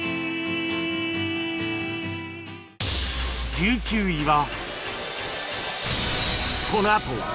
１９位は